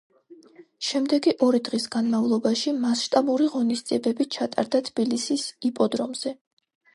შემდეგი ორი დღის განმავლობაში მასშტაბური ღონისძიებები ჩატარდა თბილისის იპოდრომზე.